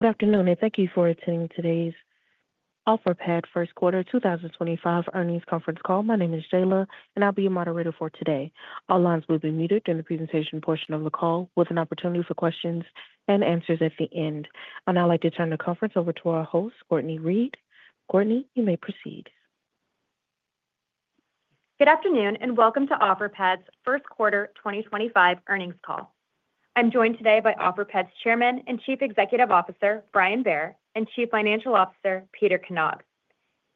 Good afternoon, and thank you for attending today's Offerpad First Quarter 2025 Earnings Conference Call. My name is Jayla, and I'll be your moderator for today. All lines will be muted during the presentation portion of the call, with an opportunity for questions and answers at the end. I'd now like to turn the conference over to our host, Cortney Read. Courtney, you may proceed. Good afternoon, and welcome to Offerpad Quarter 2025 Earnings Call. I'm joined today by Offerpad Chairman and Chief Executive Officer Brian Bair, and Chief Financial Officer Peter Knag.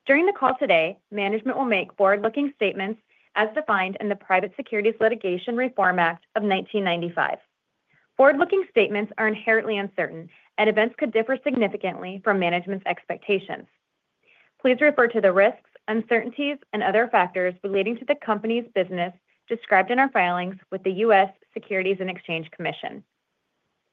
During the call today, management will make forward-looking statements as defined in the Private Securities Litigation Reform Act of 1995. Forward-looking statements are inherently uncertain, and events could differ significantly from management's expectations. Please refer to the risks, uncertainties, and other factors relating to the company's business described in our filings with the U.S. Securities and Exchange Commission.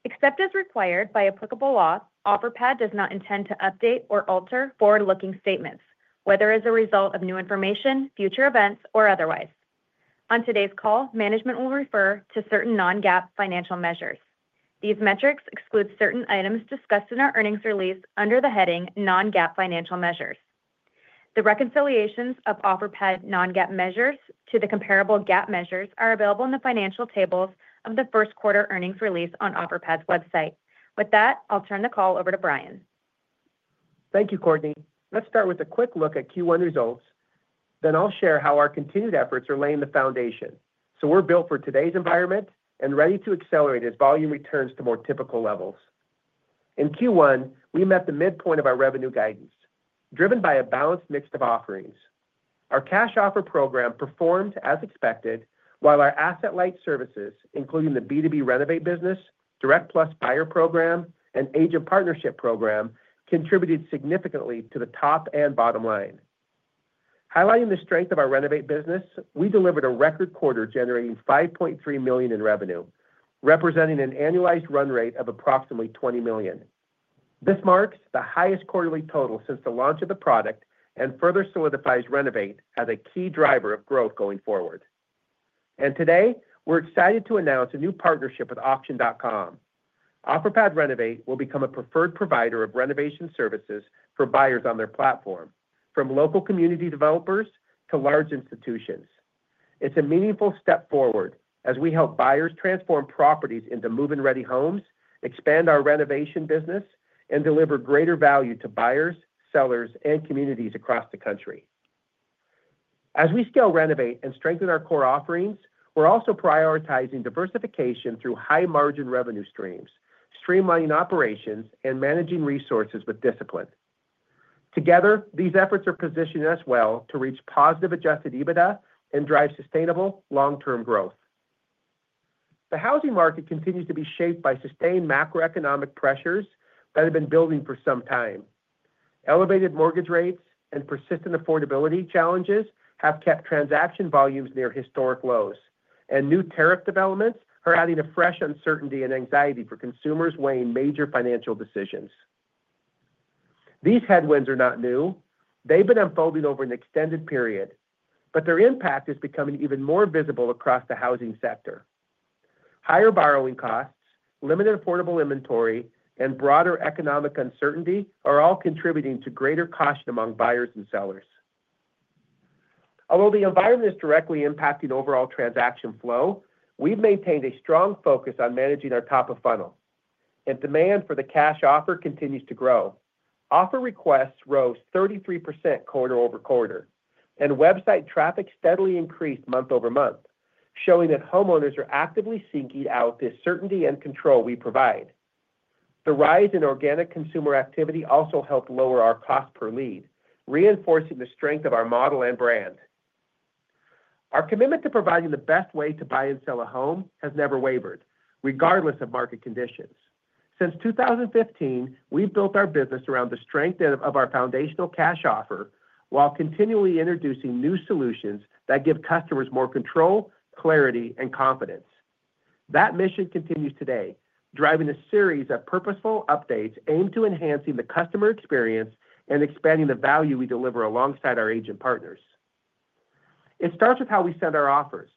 Except as required by applicable law, Offerpad does not intend to update or alter forward-looking statements, whether as a result of new information, future events, or otherwise. On today's call, management will refer to certain non-GAAP financial measures. These metrics exclude certain items discussed in our earnings release under the heading Non-GAAP financial measures. The reconciliations of Offerpad non-GAAP measures to the comparable GAAP measures are available in the financial tables of the first quarter earnings release on Offerpad website. With that, I'll turn the call over to Brian. Thank you, Courtney. Let's start with a quick look at Q1 results. Then I'll share how our continued efforts are laying the foundation. We are built for today's environment and ready to accelerate as volume returns to more typical levels. In Q1, we met the midpoint of our revenue guidance, driven by a balanced mix of offerings. Our cash offer program performed as expected, while our asset-light services, including the B2B Renovate business, Direct Plus Buyer program, and Agent Partnership program, contributed significantly to the top and bottom line. Highlighting the strength of our Renovate business, we delivered a record quarter generating $5.3 million in revenue, representing an annualized run rate of approximately $20 million. This marks the highest quarterly total since the launch of the product and further solidifies Renovate as a key driver of growth going forward. Today, we're excited to announce a new partnership with Auction.com. Offerpad Renovate will become a preferred provider of renovation services for buyers on their platform, from local community developers to large institutions. It's a meaningful step forward as we help buyers transform properties into move-in ready homes, expand our renovation business, and deliver greater value to buyers, sellers, and communities across the country. As we scale Renovate and strengthen our core offerings, we're also prioritizing diversification through high-margin revenue streams, streamlining operations, and managing resources with discipline. Together, these efforts are positioning us well to reach positive adjusted EBITDA and drive sustainable long-term growth. The housing market continues to be shaped by sustained macroeconomic pressures that have been building for some time. Elevated mortgage rates and persistent affordability challenges have kept transaction volumes near historic lows, and new tariff developments are adding a fresh uncertainty and anxiety for consumers weighing major financial decisions. These headwinds are not new. They've been unfolding over an extended period, but their impact is becoming even more visible across the housing sector. Higher borrowing costs, limited affordable inventory, and broader economic uncertainty are all contributing to greater caution among buyers and sellers. Although the environment is directly impacting overall transaction flow, we've maintained a strong focus on managing our top-of-funnel. If demand for the cash offer continues to grow, offer requests rose 33% quarter over quarter, and website traffic steadily increased month over month, showing that homeowners are actively seeking out the certainty and control we provide. The rise in organic consumer activity also helped lower our cost per lead, reinforcing the strength of our model and brand. Our commitment to providing the best way to buy and sell a home has never wavered, regardless of market conditions. Since 2015, we've built our business around the strength of our foundational cash offer while continually introducing new solutions that give customers more control, clarity, and confidence. That mission continues today, driving a series of purposeful updates aimed at enhancing the customer experience and expanding the value we deliver alongside our agent partners. It starts with how we send our offers.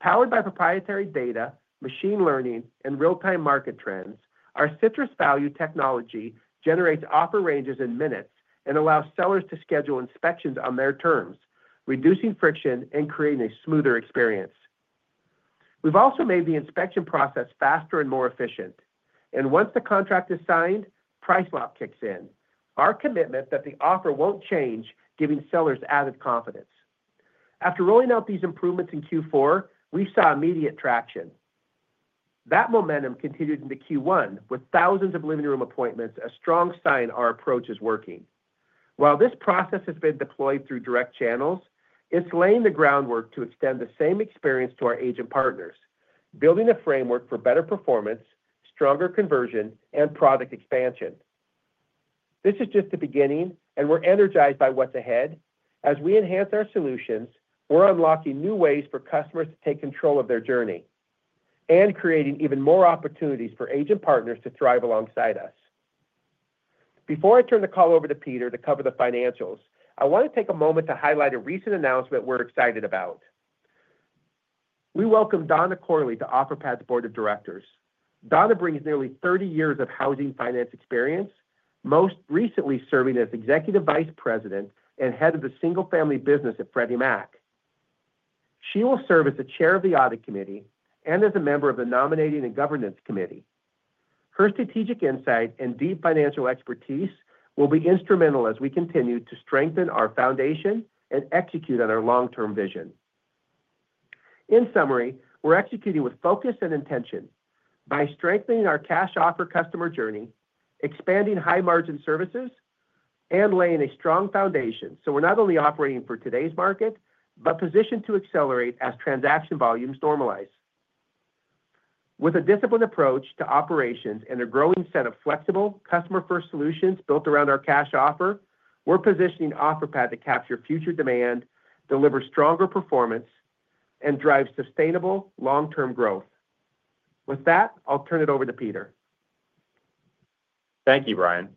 Powered by proprietary data, machine learning, and real-time market trends, our Citrus Value technology generates offer ranges in minutes and allows sellers to schedule inspections on their terms, reducing friction and creating a smoother experience. We've also made the inspection process faster and more efficient, and once the contract is signed, price lock kicks in, our commitment that the offer won't change giving sellers added confidence. After rolling out these improvements in Q4, we saw immediate traction. That momentum continued into Q1, with thousands of living room appointments, a strong sign our approach is working. While this process has been deployed through direct channels, it's laying the groundwork to extend the same experience to our agent partners, building a framework for better performance, stronger conversion, and product expansion. This is just the beginning, and we're energized by what's ahead. As we enhance our solutions, we're unlocking new ways for customers to take control of their journey and creating even more opportunities for agent partners to thrive alongside us. Before I turn the call over to Peter to cover the financials, I want to take a moment to highlight a recent announcement we're excited about. We welcome Donna Corley to Offerpad Donna brings nearly 30 years of housing finance experience, most recently serving as Executive Vice President and head of the single-family business at Freddie Mac. She will serve as the Chair of the Audit Committee and as a member of the Nominating and Governance Committee. Her strategic insight and deep financial expertise will be instrumental as we continue to strengthen our foundation and execute on our long-term vision. In summary, we're executing with focus and intention by strengthening our cash offer customer journey, expanding high-margin services, and laying a strong foundation so we're not only operating for today's market, but positioned to accelerate as transaction volumes normalize. With a disciplined approach to operations and a growing set of flexible, customer-first solutions built around our cash offer, we're positioning Offerpad to capture future demand, deliver stronger performance, and drive sustainable long-term growth. With that, I'll turn it over to Peter. Thank you, Brian.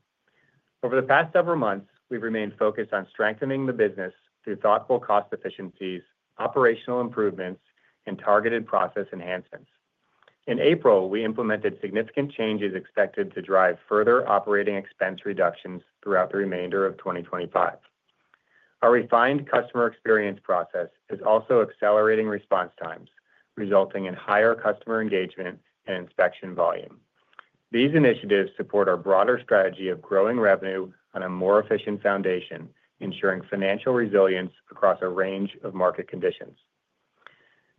Over the past several months, we've remained focused on strengthening the business through thoughtful cost efficiencies, operational improvements, and targeted process enhancements. In April, we implemented significant changes expected to drive further operating expense reductions throughout the remainder of 2025. Our refined customer experience process is also accelerating response times, resulting in higher customer engagement and inspection volume. These initiatives support our broader strategy of growing revenue on a more efficient foundation, ensuring financial resilience across a range of market conditions.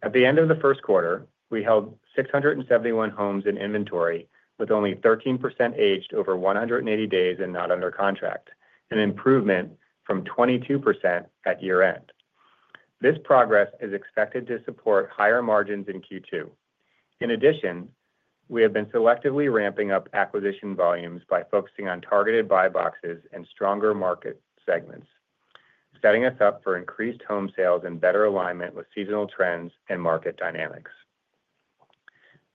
At the end of the first quarter, we held 671 homes in inventory, with only 13% aged over 180 days and not under contract, an improvement from 22% at year-end. This progress is expected to support higher margins in Q2. In addition, we have been selectively ramping up acquisition volumes by focusing on targeted buy boxes and stronger market segments, setting us up for increased home sales and better alignment with seasonal trends and market dynamics.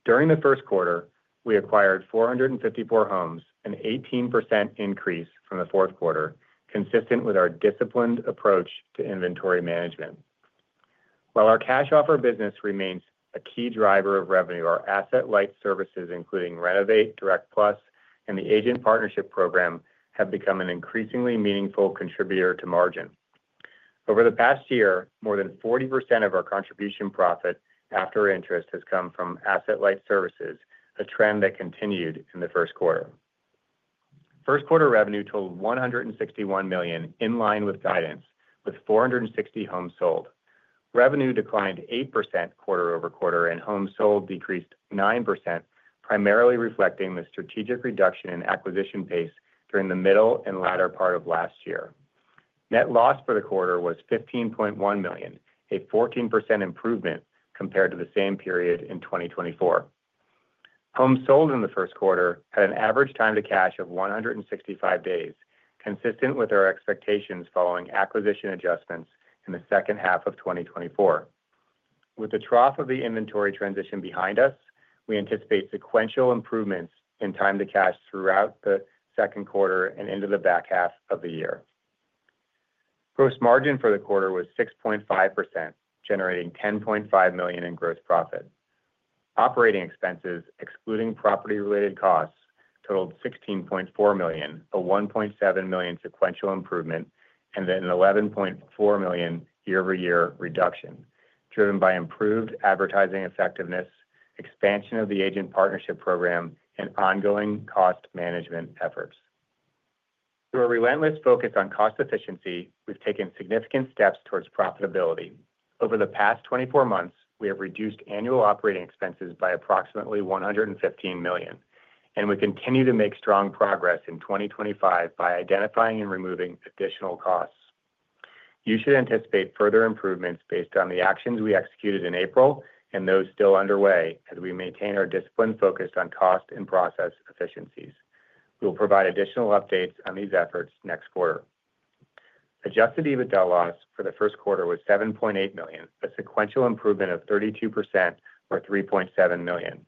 During the first quarter, we acquired 454 homes, an 18% increase from the fourth quarter, consistent with our disciplined approach to inventory management. While our cash offer business remains a key driver of revenue, our asset-light services, including Renovate, Direct Plus, and the Agent Partnership program, have become an increasingly meaningful contributor to margin. Over the past year, more than 40% of our contribution profit after interest has come from asset-light services, a trend that continued in the first quarter. First quarter revenue totaled $161 million, in line with guidance, with 460 homes sold. Revenue declined 8% quarter over quarter, and homes sold decreased 9%, primarily reflecting the strategic reduction in acquisition pace during the middle and latter part of last year. Net loss for the quarter was $15.1 million, a 14% improvement compared to the same period in 2024. Homes sold in the first quarter had an average time to cash of 165 days, consistent with our expectations following acquisition adjustments in the second half of 2024. With the trough of the inventory transition behind us, we anticipate sequential improvements in time to cash throughout the second quarter and into the back half of the year. Gross margin for the quarter was 6.5%, generating $10.5 million in gross profit. Operating expenses, excluding property-related costs, totaled $16.4 million, a $1.7 million sequential improvement, and an $11.4 million year-over-year reduction, driven by improved advertising effectiveness, expansion of the Agent Partnership program, and ongoing cost management efforts. Through a relentless focus on cost efficiency, we've taken significant steps towards profitability. Over the past 24 months, we have reduced annual operating expenses by approximately $115 million, and we continue to make strong progress in 2025 by identifying and removing additional costs. You should anticipate further improvements based on the actions we executed in April and those still underway as we maintain our discipline focused on cost and process efficiencies. We will provide additional updates on these efforts next quarter. Adjusted EBITDA loss for the first quarter was $7.8 million, a sequential improvement of 32%, or $3.7 million.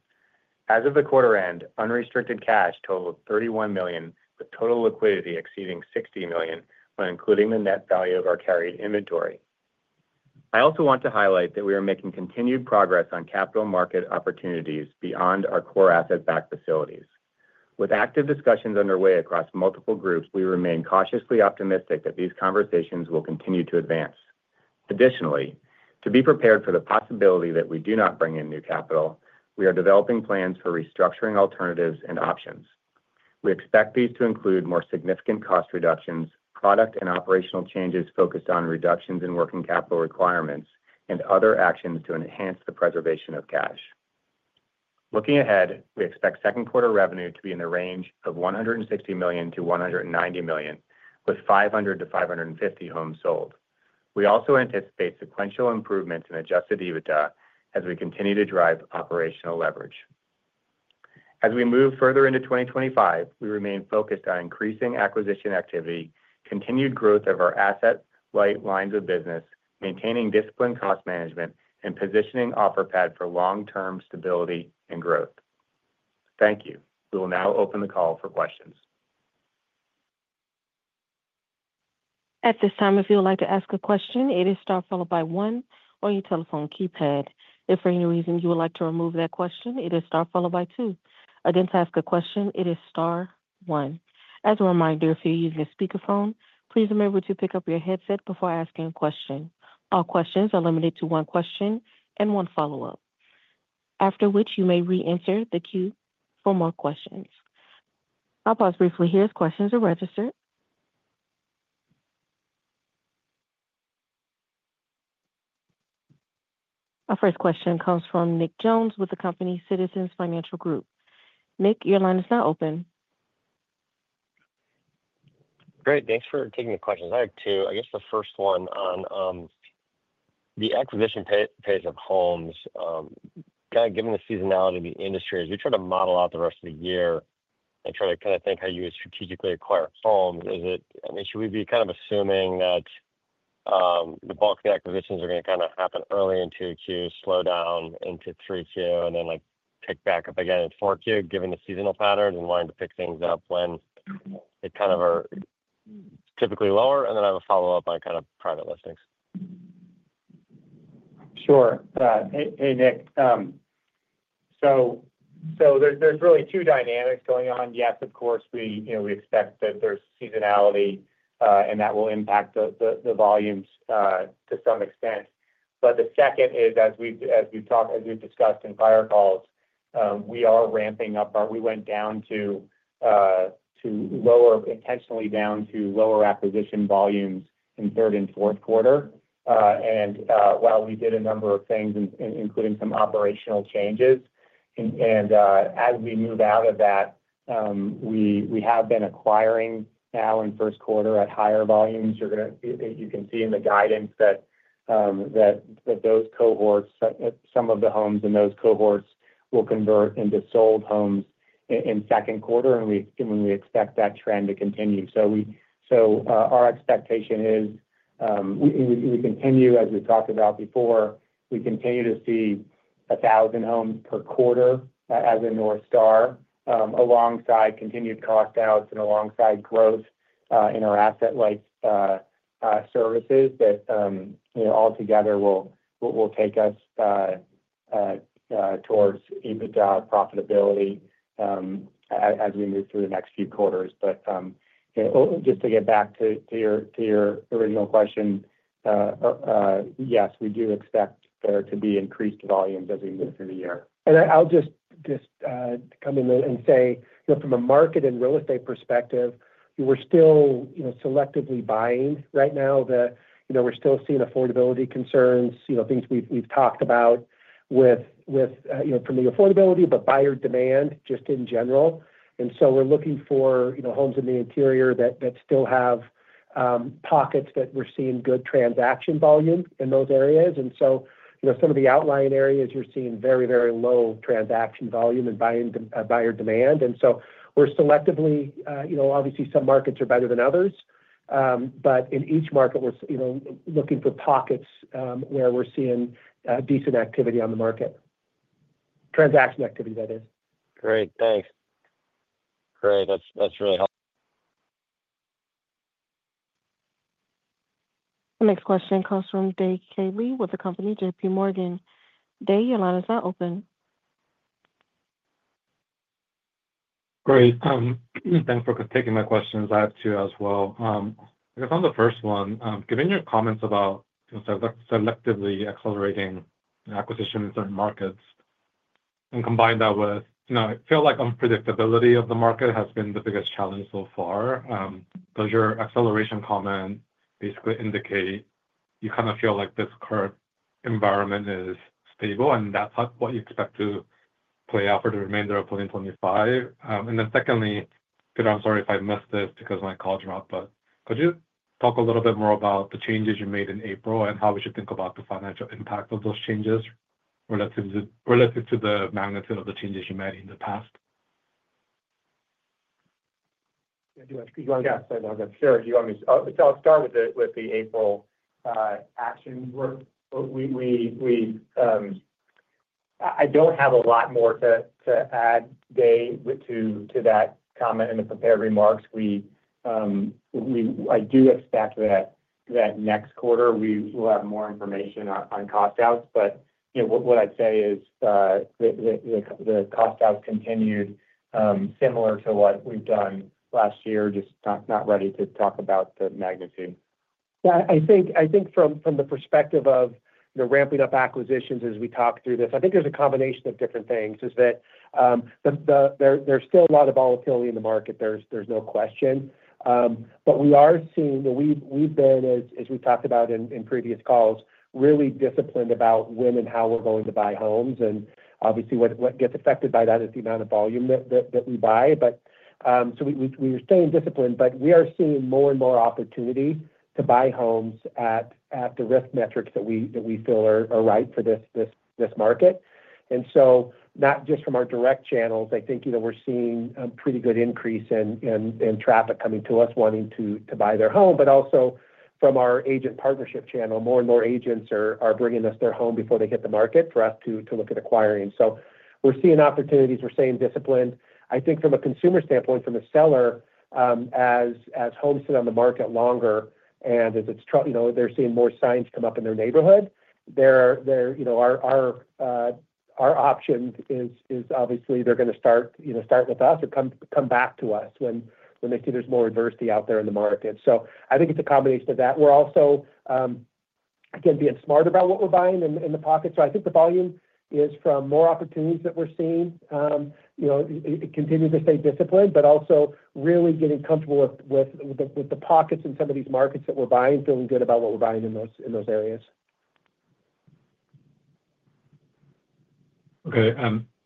As of the quarter end, unrestricted cash totaled $31 million, with total liquidity exceeding $60 million when including the net value of our carried inventory. I also want to highlight that we are making continued progress on capital market opportunities beyond our core asset-backed facilities. With active discussions underway across multiple groups, we remain cautiously optimistic that these conversations will continue to advance. Additionally, to be prepared for the possibility that we do not bring in new capital, we are developing plans for restructuring alternatives and options. We expect these to include more significant cost reductions, product and operational changes focused on reductions in working capital requirements, and other actions to enhance the preservation of cash. Looking ahead, we expect second quarter revenue to be in the range of $160 million-$190 million, with 500-550 homes sold. We also anticipate sequential improvements in adjusted EBITDA as we continue to drive operational leverage. As we move further into 2025, we remain focused on increasing acquisition activity, continued growth of our asset-light lines of business, maintaining disciplined cost management, and positioning Offerpad for long-term stability and growth. Thank you. We will now open the call for questions. At this time, if you would like to ask a question, it is star one on your telephone keypad. If for any reason you would like to remove that question, it is star two Again, to ask a question, it is star one As a reminder, if you're using a speakerphone, please remember to pick up your headset before asking a question. All questions are limited to one question and one follow-up, after which you may re-enter the queue for more questions. I'll pause briefly here as questions are registered. Our first question comes from Nick Jones with the company Citizens Financial Group. Nick, your line is now open. Great. Thanks for taking the questions. I have two. I guess the first one on the acquisition pace of homes, kind of given the seasonality of the industry, as we try to model out the rest of the year and try to kind of think how you would strategically acquire homes, is it, I mean, should we be kind of assuming that the bulk of the acquisitions are going to kind of happen early into Q2, slow down into Q3, and then pick back up again in Q4 given the seasonal pattern and wanting to pick things up when they kind of are typically lower? I have a follow-up on kind of private listings. Sure. Hey, Nick. There are really two dynamics going on. Yes, of course, we expect that there is seasonality and that will impact the volumes to some extent. The second is, as we have discussed in prior calls, we are ramping up our—we went intentionally down to lower acquisition volumes in third and fourth quarter. While we did a number of things, including some operational changes, as we move out of that, we have been acquiring now in first quarter at higher volumes. You can see in the guidance that those cohorts, some of the homes in those cohorts, will convert into sold homes in second quarter, and we expect that trend to continue. Our expectation is we continue, as we've talked about before, we continue to see 1,000 homes per quarter as a North Star, alongside continued cost outs and alongside growth in our asset-light services that altogether will take us towards EBITDA profitability as we move through the next few quarters. Just to get back to your original question, yes, we do expect there to be increased volumes as we move through the year. I'll just come in and say, from a market and real estate perspective, we're still selectively buying right now. We're still seeing affordability concerns, things we've talked about from the affordability, but buyer demand just in general. We are looking for homes in the interior that still have pockets that we're seeing good transaction volume in those areas. Some of the outlying areas, you're seeing very, very low transaction volume and buyer demand. We're selectively—obviously, some markets are better than others. In each market, we're looking for pockets where we're seeing decent activity on the market, transaction activity, that is. Great. Thanks. That's really helpful. The next question comes from Dae K. Lee with the company J.P. Morgan. Dae, your line is now open. Great. Thanks for taking my questions. I have two as well. I guess on the first one, given your comments about selectively accelerating acquisition in certain markets and combine that with, I feel like unpredictability of the market has been the biggest challenge so far. Does your acceleration comment basically indicate you kind of feel like this current environment is stable and that's what you expect to play out for the remainder of 2025? Secondly, Peter, I'm sorry if I missed this because my call dropped, but could you talk a little bit more about the changes you made in April and how we should think about the financial impact of those changes relative to the magnitude of the changes you made in the past? Yeah. Do you want to —yeah, sorry. Sure. Do you want me to—so I'll start with the April action work. I don't have a lot more to add, Day, to that comment and the prepared remarks. I do expect that next quarter, we will have more information on cost outs. What I'd say is the cost outs continued similar to what we've done last year, just not ready to talk about the magnitude. Yeah. I think from the perspective of ramping up acquisitions as we talk through this, I think there's a combination of different things, is that there's still a lot of volatility in the market. There's no question. We are seeing—we've been, as we talked about in previous calls, really disciplined about when and how we're going to buy homes. Obviously, what gets affected by that is the amount of volume that we buy. We are staying disciplined, but we are seeing more and more opportunity to buy homes at the risk metrics that we feel are right for this market. We are not just seeing this from our direct channels. I think we are seeing a pretty good increase in traffic coming to us wanting to buy their home, but also from our agent partnership channel. More and more agents are bringing us their home before they hit the market for us to look at acquiring. We are seeing opportunities. We are staying disciplined. I think from a consumer standpoint, from a seller, as homes sit on the market longer and as they are seeing more signs come up in their neighborhood, our option is obviously they are going to start with us or come back to us when they see there is more adversity out there in the market. I think it is a combination of that. We're also, again, being smart about what we're buying in the pocket. I think the volume is from more opportunities that we're seeing. Continue to stay disciplined, but also really getting comfortable with the pockets in some of these markets that we're buying, feeling good about what we're buying in those areas. Okay.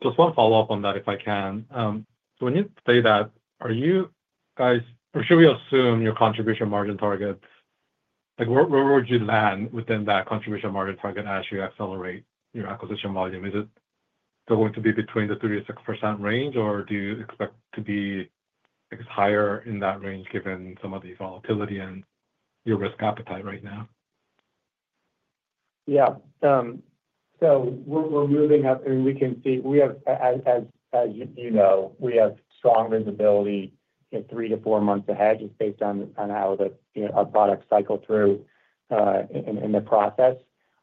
Just one follow-up on that, if I can. When you say that, are you guys—or should we assume your contribution margin targets? Where would you land within that contribution margin target as you accelerate your acquisition volume? Is it still going to be between the 3%-6% range, or do you expect to be higher in that range given some of the volatility and your risk appetite right now? Yeah. We're moving up. I mean, we can see—as you know, we have strong visibility three to four months ahead, just based on how our products cycle through in the process.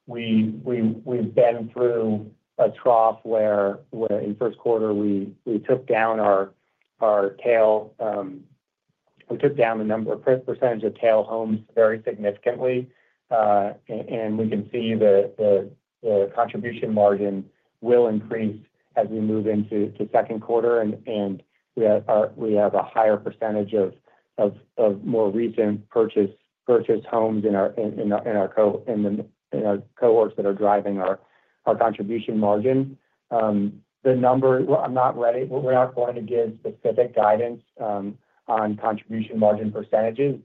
We've been through a trough where in first quarter, we took down our tail—we took down the number of 5 % of tail homes very significantly. We can see the contribution margin will increase as we move into second quarter. We have a higher percentage of more recent purchase homes in our cohorts that are driving our contribution margin. The number—I'm not ready. We're not going to give specific guidance on contribution margin percentage.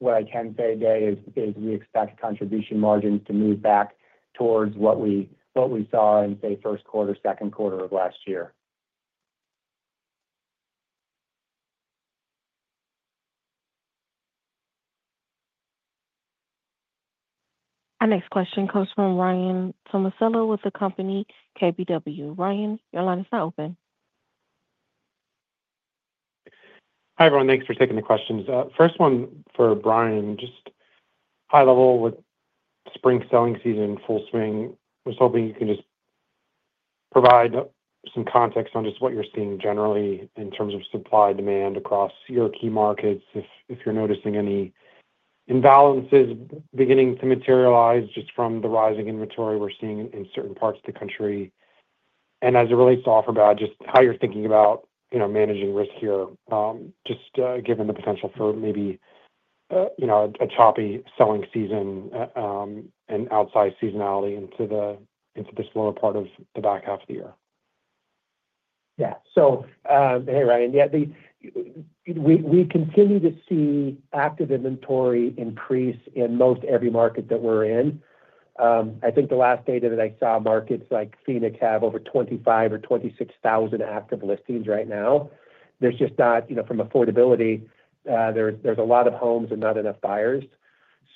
What I can say, Dae, is we expect contribution margins to move back towards what we saw in, say, first quarter, second quarter of last year. Our next question comes from Ryan Tomasello with the company KBW. Ryan, your line is now open. Hi, everyone. Thanks for taking the questions. First one for Brian, just high level with spring selling season in full swing. I was hoping you can just provide some context on just what you're seeing generally in terms of supply demand across your key markets, if you're noticing any imbalances beginning to materialize just from the rising inventory we're seeing in certain parts of the country. As it relates to Offerpad, just how you're thinking about managing risk here, just given the potential for maybe a choppy selling season and outsized seasonality into this lower part of the back half of the year. Yeah. Hey, Ryan. Yeah. We continue to see active inventory increase in most every market that we're in. I think the last data that I saw, markets like Phoenix have over 25,000 or 26,000 active listings right now. There's just not—from affordability, there's a lot of homes and not enough buyers.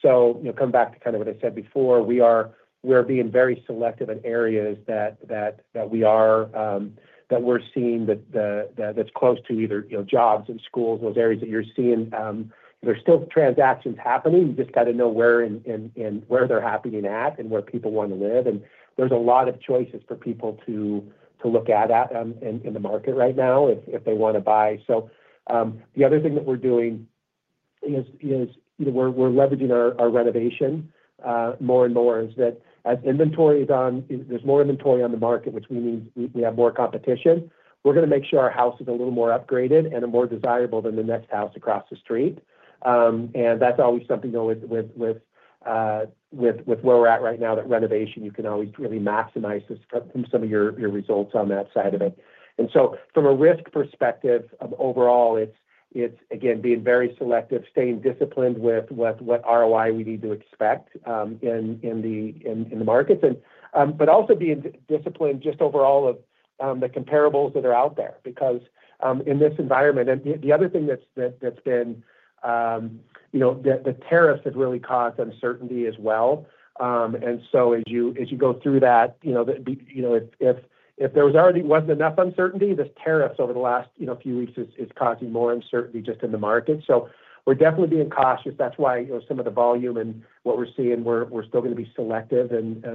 Coming back to kind of what I said before, we're being very selective in areas that we are—that we're seeing that's close to either jobs and schools, those areas that you're seeing. There's still transactions happening. You just got to know where they're happening at and where people want to live. There's a lot of choices for people to look at in the market right now if they want to buy. The other thing that we're doing is we're leveraging our renovation more and more as inventory is on—there's more inventory on the market, which means we have more competition. We're going to make sure our house is a little more upgraded and more desirable than the next house across the street. That's always something with where we're at right now, that renovation, you can always really maximize from some of your results on that side of it. From a risk perspective, overall, it's, again, being very selective, staying disciplined with what ROI we need to expect in the markets, but also being disciplined just overall of the comparables that are out there because in this environment. The other thing that's been—the tariffs have really caused uncertainty as well. As you go through that, if there was not enough uncertainty, this tariff over the last few weeks is causing more uncertainty just in the market. We are definitely being cautious. That is why some of the volume and what we are seeing, we are still going to be selective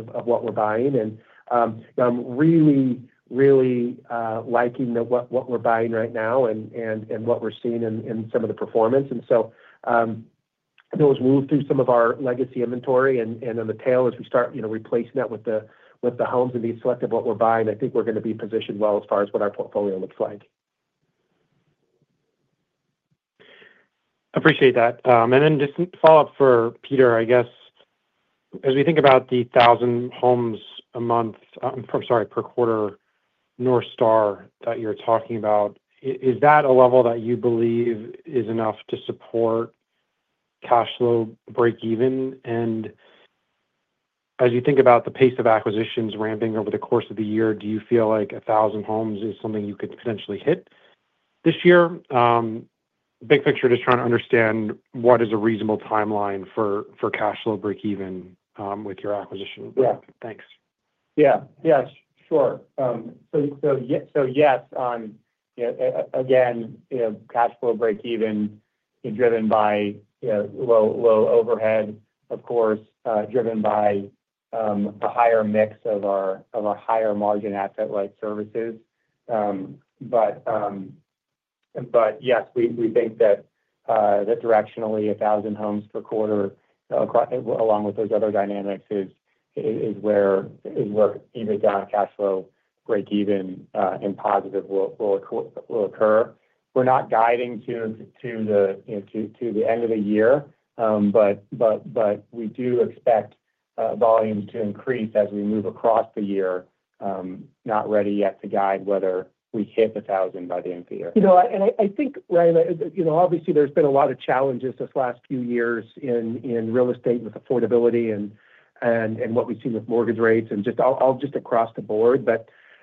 of what we are buying. I am really, really liking what we are buying right now and what we are seeing in some of the performance. Those move through some of our legacy inventory. On the tail, as we start replacing that with the homes and being selective of what we are buying, I think we are going to be positioned well as far as what our portfolio looks like. Appreciate that. Just follow-up for Peter, I guess. As we think about the 1,000 homes a month—I'm sorry, per quarter—North Star that you're talking about, is that a level that you believe is enough to support cash flow break-even? As you think about the pace of acquisitions ramping over the course of the year, do you feel like 1,000 homes is something you could potentially hit this year? Big picture, just trying to understand what is a reasonable timeline for cash flow break-even with your acquisition. Thanks. Yeah. Yeah. Sure. Yes, again, cash flow break-even driven by low overhead, of course, driven by a higher mix of our higher margin asset-light services. Yes, we think that directionally, 1,000 homes per quarter, along with those other dynamics, is where even cash flow break-even in positive will occur. We're not guiding to the end of the year, but we do expect volumes to increase as we move across the year, not ready yet to guide whether we hit 1,000 by the end of the year. I think, Ryan, obviously, there's been a lot of challenges this last few years in real estate with affordability and what we've seen with mortgage rates and just across the board.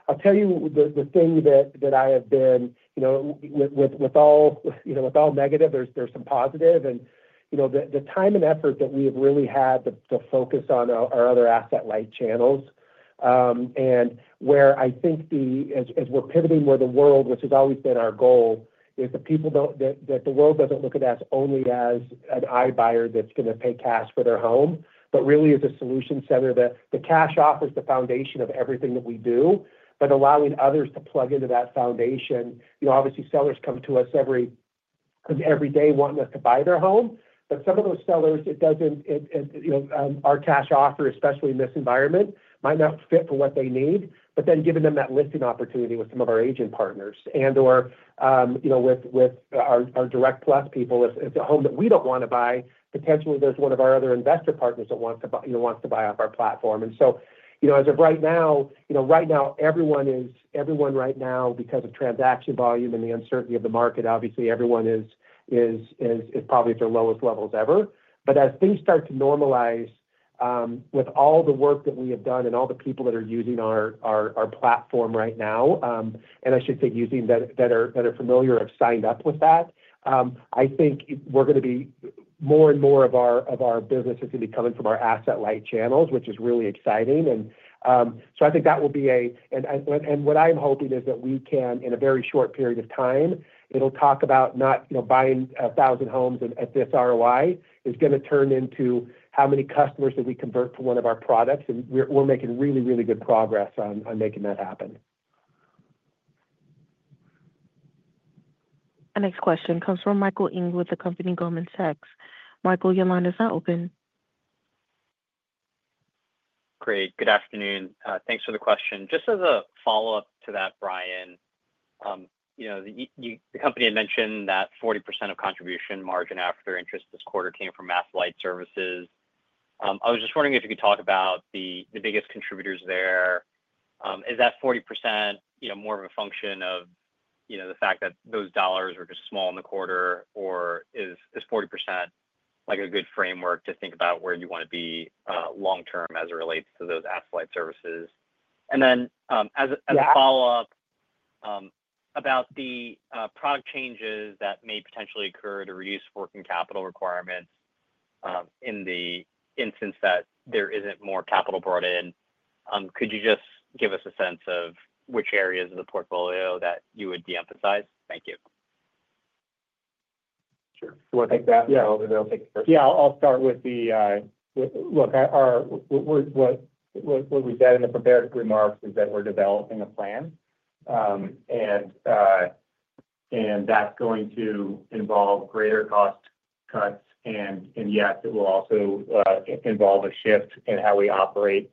I'll tell you the thing that I have been with all negative, there's some positive. The time and effort that we have really had to focus on our other asset-light channels, and where I think as we're pivoting where the world, which has always been our goal, is that the world doesn't look at us only as an iBuyer that's going to pay cash for their home, but really as a solution center. The cash offer is the foundation of everything that we do, but allowing others to plug into that foundation. Obviously, sellers come to us every day wanting us to buy their home. Some of those sellers, our cash offer, especially in this environment, might not fit for what they need. Then giving them that listing opportunity with some of our agent partners and/or with our direct plus people, if it's a home that we don't want to buy, potentially there's one of our other investor partners that wants to buy off our platform. As of right now, everyone, because of transaction volume and the uncertainty of the market, obviously, everyone is probably at their lowest levels ever. As things start to normalize with all the work that we have done and all the people that are using our platform right now, and I should say using that are familiar or have signed up with that, I think more and more of our business is going to be coming from our asset-light channels, which is really exciting. I think that will be a—what I'm hoping is that we can, in a very short period of time, it'll talk about not buying 1,000 homes at this ROI is going to turn into how many customers that we convert to one of our products. We're making really, really good progress on making that happen. Our next question comes from Michael Engel with Goldman Sachs. Michael, your line is now open. Great. Good afternoon. Thanks for the question. Just as a follow-up to that, Brian, the company had mentioned that 40% of contribution margin after their interest this quarter came from asset-light services. I was just wondering if you could talk about the biggest contributors there. Is that 40% more of a function of the fact that those dollars were just small in the quarter, or is 40% a good framework to think about where you want to be long-term as it relates to those asset-light services? As a follow-up about the product changes that may potentially occur to reduce working capital requirements in the instance that there is not more capital brought in, could you just give us a sense of which areas of the portfolio that you would de-emphasize? Thank you. Sure. I think that— yeah, I'll take it first. I'll start with the—look, what we said in the prepared remarks is that we're developing a plan, and that's going to involve greater cost cuts. Yes, it will also involve a shift in how we operate,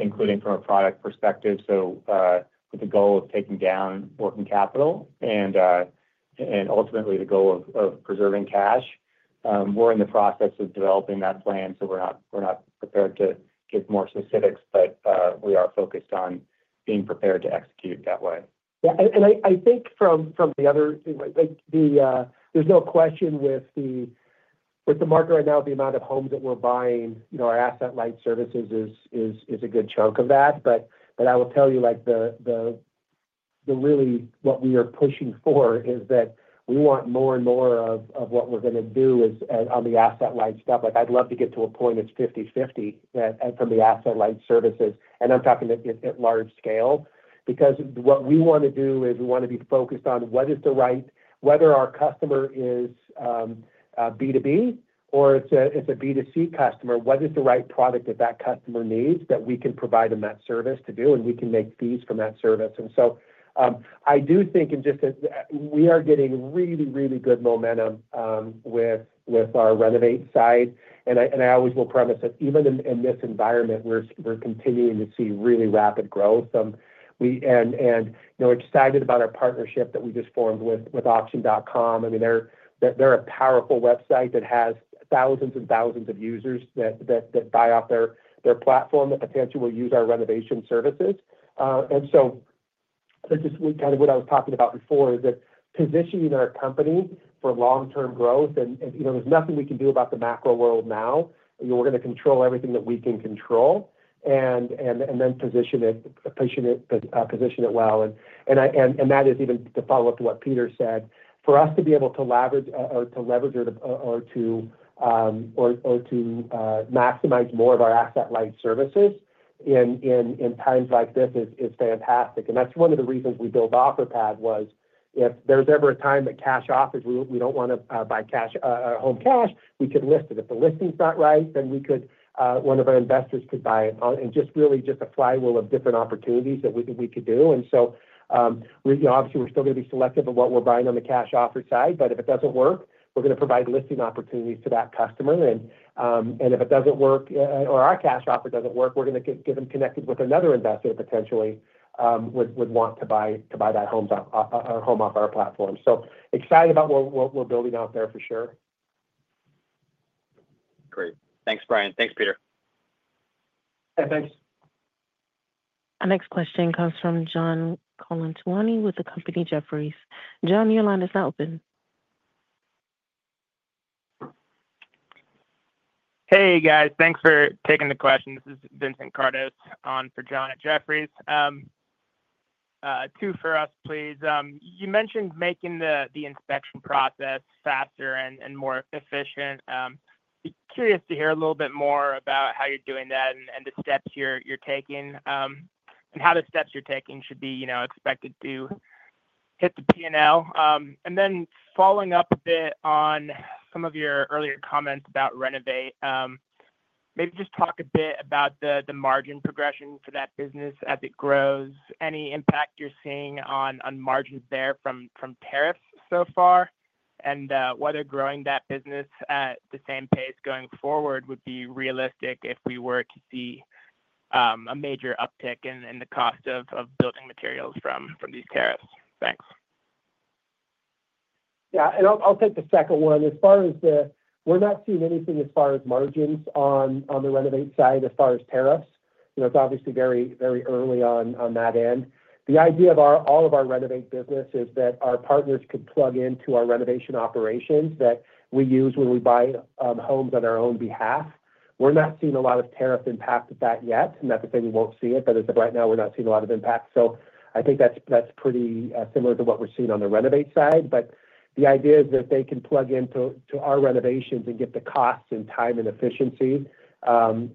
including from a product perspective. With the goal of taking down working capital and ultimately the goal of preserving cash, we're in the process of developing that plan. We're not prepared to give more specifics, but we are focused on being prepared to execute that way. I think from the other—there's no question with the market right now, the amount of homes that we're buying, our asset-light services is a good chunk of that. I will tell you, really, what we are pushing for is that we want more and more of what we're going to do on the asset-light stuff. I'd love to get to a point it's 50/50 from the asset-light services. I'm talking at large scale because what we want to do is we want to be focused on what is the right—whether our customer is B2B or it's a B2C customer, what is the right product that that customer needs that we can provide them that service to do, and we can make fees from that service. I do think in just—we are getting really, really good momentum with our Renovate side. I always will premise that even in this environment, we're continuing to see really rapid growth. We're excited about our partnership that we just formed with Auction.com. I mean, they're a powerful website that has thousands and thousands of users that buy off their platform that potentially will use our renovation services. What I was talking about before is that positioning our company for long-term growth. There's nothing we can do about the macro world now. We're going to control everything that we can control and then position it well. That is even to follow up to what Peter said. For us to be able to leverage or to maximize more of our asset-light services in times like this is fantastic. That's one of the reasons we built Offerpad was if there's ever a time that cash offers, we don't want to buy home cash, we could list it. If the listing's not right, then one of our investors could buy it. It is really just a flywheel of different opportunities that we could do. Obviously, we are still going to be selective of what we are buying on the cash offer side. If it does not work, we are going to provide listing opportunities to that customer. If it does not work or our cash offer does not work, we are going to get them connected with another investor that potentially would want to buy that home off our platform. I am excited about what we are building out there for sure. Great. Thanks, Brian. Thanks, Peter. Yeah. Thanks. Our next question comes from John Collins with Jefferies. John, your line is now open. Hey, guys. Thanks for taking the question. This is Vincent Kardos on for John at Jefferies. Two for us, please. You mentioned making the inspection process faster and more efficient. Curious to hear a little bit more about how you're doing that and the steps you're taking and how the steps you're taking should be expected to hit the P&L. Following up a bit on some of your earlier comments about Renovate, maybe just talk a bit about the margin progression for that business as it grows, any impact you're seeing on margins there from tariffs so far, and whether growing that business at the same pace going forward would be realistic if we were to see a major uptick in the cost of building materials from these tariffs. Thanks. Yeah. I'll take the second one. As far as the—we're not seeing anything as far as margins on the Renovate side as far as tariffs. It's obviously very early on that end. The idea of all of our Renovate business is that our partners could plug into our renovation operations that we use when we buy homes on our own behalf. We're not seeing a lot of tariff impact with that yet. Not to say we won't see it, but as of right now, we're not seeing a lot of impact. I think that's pretty similar to what we're seeing on the Renovate side. The idea is that they can plug into our renovations and get the costs and time and efficiency. With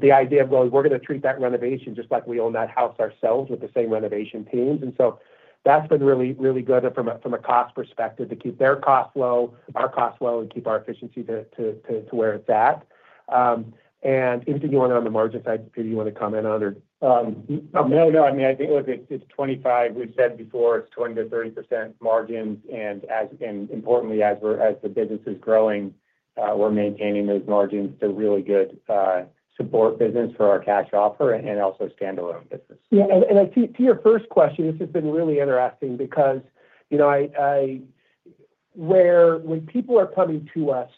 the idea of, "Well, we're going to treat that renovation just like we own that house ourselves with the same renovation teams." That has been really good from a cost perspective to keep their costs low, our costs low, and keep our efficiency to where it's at. Anything you want to on the margin side, Peter, you want to comment on or? No, no. I mean, I think it's 25. We've said before it's 20-30% margins. And importantly, as the business is growing, we're maintaining those margins to really good support business for our cash offer and also standalone business. Yeah. To your first question, this has been really interesting because when people are coming to us,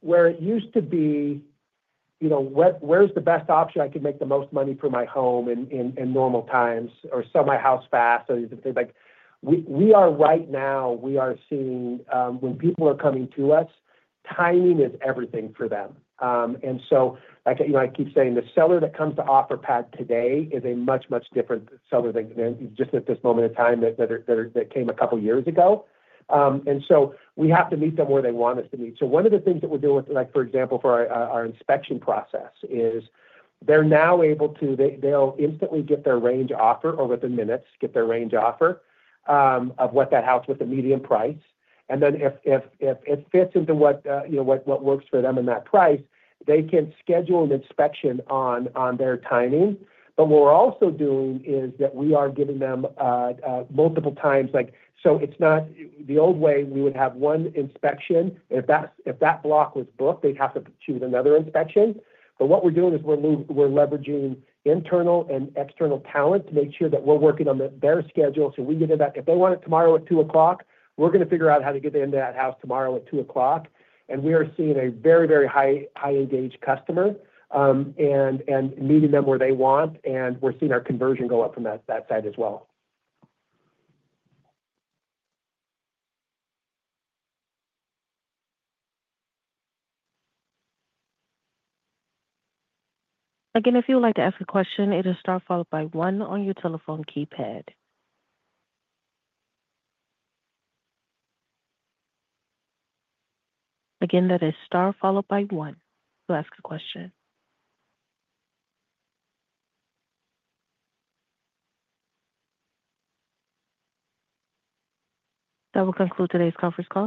where it used to be, "Where's the best option? I can make the most money for my home in normal times or sell my house fast," or these things, right now, we are seeing when people are coming to us, timing is everything for them. I keep saying the seller that comes to Offerpad today is a much, much different seller than just at this moment in time that came a couple of years ago. We have to meet them where they want us to meet. One of the things that we're doing with, for example, for our inspection process is they're now able to—they'll instantly get their range offer or within minutes, get their range offer of what that house with a medium price. If it fits into what works for them in that price, they can schedule an inspection on their timing. What we are also doing is that we are giving them multiple times. It is not the old way we would have one inspection. If that block was booked, they would have to choose another inspection. What we are doing is we are leveraging internal and external talent to make sure that we are working on their schedule. We get into that. If they want it tomorrow at 2:00 P.M., we are going to figure out how to get into that house tomorrow at 2:00 P.M. We are seeing a very, very high-engaged customer and meeting them where they want. We are seeing our conversion go up from that side as well. Again, if you would like to ask a question, it is star followed by one on your telephone keypad. Again, that is star followed by one to ask a question. That will conclude today's conference.